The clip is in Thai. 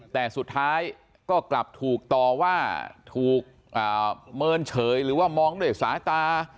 แต่สุดท้ายก็กลับถูกต่อว่าถูกเมินเฉยหรือว่ามองด้วยสายตา